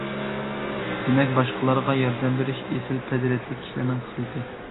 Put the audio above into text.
دېمەك، باشقىلارغا ياردەم بېرىش ئېسىل پەزىلەتلىك كىشىلەرنىڭ خىسلىتى.